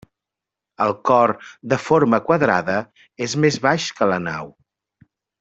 El cor, de forma quadrada, és més baix que la nau.